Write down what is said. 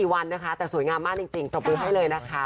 วันนะคะแต่สวยงามมากจริงปรบมือให้เลยนะคะ